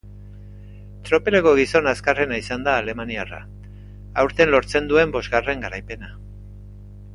Tropeleko gizon azkarrena izan da alemaniarra, aurten lortzen duen bosgarren garaipena.